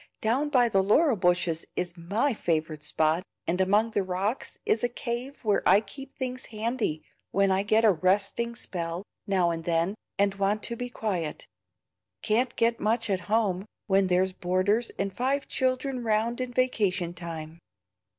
Down by the laurel bushes is MY favorite spot, and among the rocks is a cave where I keep things handy when I get a resting spell now and then, and want to be quiet. Can't get much at home, when there's boarders and five children round in vacation time."